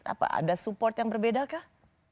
apa ada support yang berbeda kah